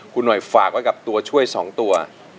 คุณหน่อยฝากไว้กับตัวช่วย๒ตัว